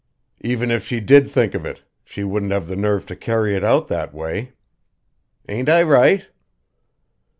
Even if she did think of it, she wouldn't have the nerve to carry it out that way. Ain't I right?"